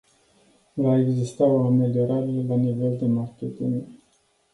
Va exista o ameliorare la nivel de marketing.